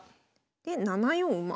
で７四馬。